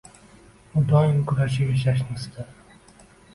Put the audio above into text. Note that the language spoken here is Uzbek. U doim kurashib yashashni istadi